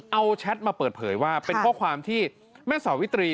เอาแชทมาเปิดเผยว่าเป็นข้อความที่แม่สาวิตรี